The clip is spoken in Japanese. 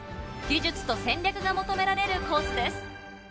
技術と戦略が求められるコースです